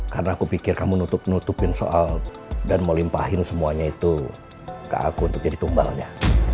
karena aku pikir kamu nutup nutupin soal dan mau limpahin semuanya itu ke aku untuk jadi tumbalnya